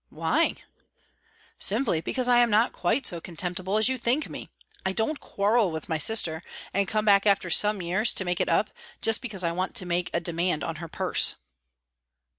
"Why?" "Simply because I am not quite so contemptible as you think me. I don't quarrel with my sister, and come back after some years to make it up just because I want to make a demand on her purse."